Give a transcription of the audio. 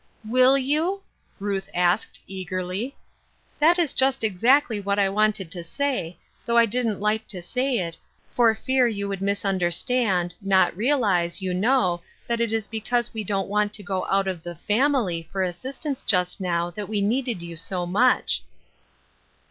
*'" Will you? " Ruth asked, eagerly. " That is just exactly what I wanted to say, though I didn't like to say it, for fear you would misun derstand, not realize, you know, that it is because we don't want to go out of the family for assist ance just now that we needed you so much."